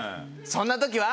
そんな時は。